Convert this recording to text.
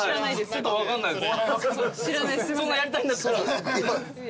ちょっと分かんないです。